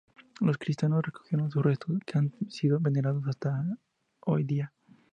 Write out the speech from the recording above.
Los cristianos recogieron sus restos que han sido venerados hasta hoy día.